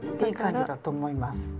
いい感じだと思います。